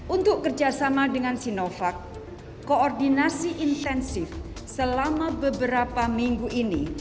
untuk kerjasama dengan sinovac koordinasi intensif selama beberapa minggu ini